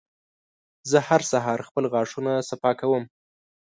زه هر سهار خپل غاښونه صفا کوم.